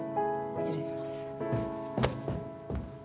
失礼します。